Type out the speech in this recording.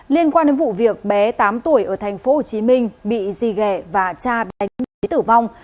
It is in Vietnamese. liên quan đến vụ việc bé tám tuổi ở thành phố hồ chí minh bị di ghẻ và cha đánh đánh tử vong